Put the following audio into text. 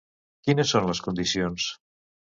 Quines són les condicions?